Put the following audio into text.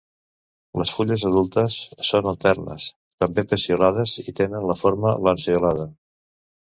Les fulles adultes són alternes, també peciolades, i tenen la forma lanceolada.